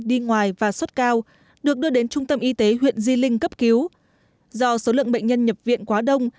đi ngoài và sốt cao được đưa đến trung tâm y tế huyện di linh cấp cứu do số lượng bệnh nhân nhập viện quá đông